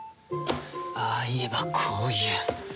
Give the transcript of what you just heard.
ああ言えばこう言う。